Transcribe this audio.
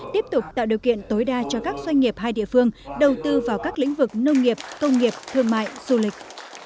tiếp tục tạo điều kiện tối đa cho các doanh nghiệp hai địa phương đầu tư vào các lĩnh vực nông nghiệp công nghiệp thương mại du lịch